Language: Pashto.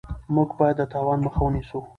موږ باید د تاوان مخه ونیسو.